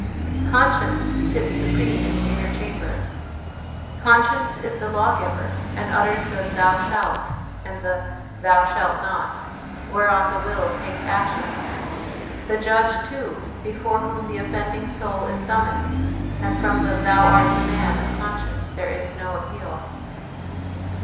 Conscience sits supreme in the inner chamber. Con science is the lawgiver, and utters the c Thou shalt ' and the 'Thou shalt not' whereon the will takes action ; the judge, too, before whom the offending soul is summoned ; and from the ' Thou art the man ' of conscience, there is no appeal.